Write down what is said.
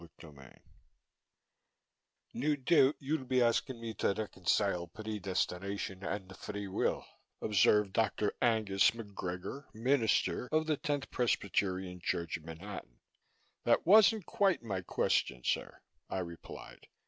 CHAPTER 30 "No doubt you'll be asking me to reconcile predestination and free will," observed Dr. Angus McGregor, minister of the Tenth Presbyterian Church of Manhattan. "That wasn't quite my question, sir," I replied.